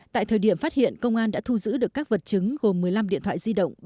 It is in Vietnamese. tại thời điểm phát hiện công an đã thu giữ được các vật chứng gồm một mươi năm điện thoại di động